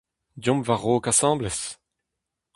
Deomp war-raok asambles !